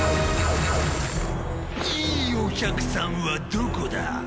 いいお客さんはどこだ！